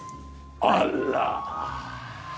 あら！